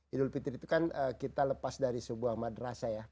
idul fitri itu kan kita lepas dari sebuah madrasah ya